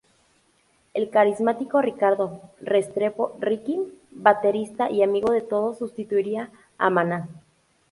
El carismático Ricardo Restrepo "Ricky", baterista y amigo de todos sustituiría a Mana.